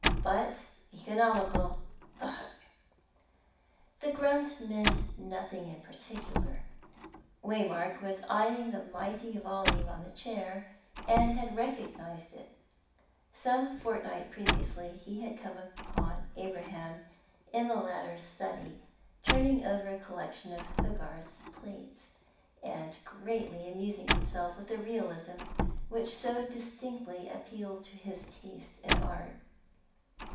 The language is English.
"But economical." "Ugh!" The grunt meant nothing in particular. Waymark was eyeing the mighty volume on the chair, and had recognised it. Some fortnight previously, he had come upon Abraham, in the latter's study, turning over a collection of Hogarth's plates, and greatly amusing himself with the realism which so distinctly appealed to his taste in art.